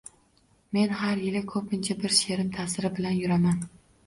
– Men har yili, ko‘pincha bir she’rim ta’siri bilan yuraman.